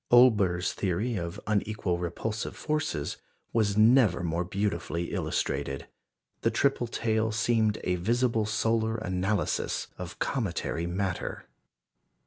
Olbers's theory of unequal repulsive forces was never more beautifully illustrated. The triple tail seemed a visible solar analysis of cometary matter.